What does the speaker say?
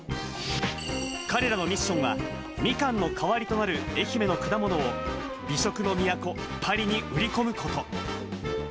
彼らのミッションは、ミカンの代わりとなる愛媛の果物を美食の都、パリに売り込むこと。